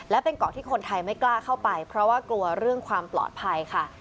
และเป็นเกาะที่คนไทยไม่กล้าเข้าไปเพราะว่ากลัวเรื่องความปลอดภัยค่ะ